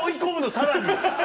さらに。